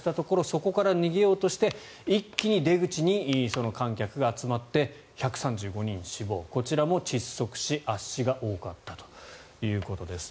そこから逃げようとして一気に出口に観客が集まって１３５人死亡こちらも窒息死、圧死が多かったということです。